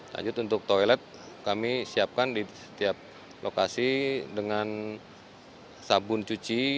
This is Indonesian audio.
lanjut untuk toilet kami siapkan di setiap lokasi dengan sabun cuci